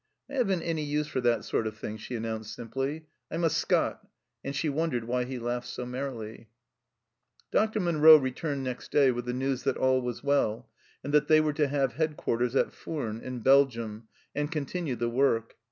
" I haven't any use for that sort of thing," she announced simply; "I'm a Scot," and she wondered why he laughed so merrily. Dr. Munro returned next day with the news that all was well, and that they were to have head quarters at Furnes, in Belgium, and continue the work.